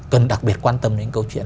cần đặc biệt quan tâm đến câu chuyện